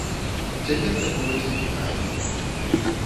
Цяпер такога цягніка няма.